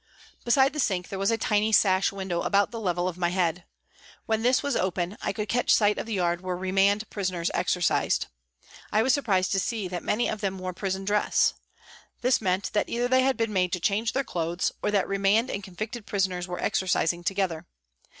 Beside the sink there was a tiny sash window about the level of my head. When this was open I could catch sight of the yard where remand prisoners exercised. I was surprised to see that many of them wore prison dress. This meant either that they had been made to change their clothes, or that remand and convicted prisoners were exercising together.